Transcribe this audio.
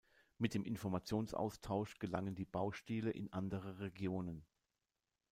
Mit dem Informationsaustausch gelangen die Baustile in andere Regionen.